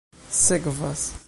sekvas